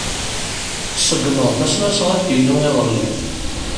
Ṣeggmeɣ-d tasnasɣalt-inu iḍelli.